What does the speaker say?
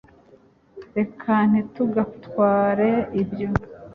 reka ntitugatware ibyo